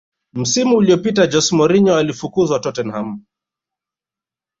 msimu uliopita jose mourinho alifukuzwa tottenham